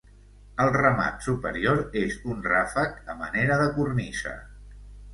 El remat superior és un ràfec a manera de cornisa.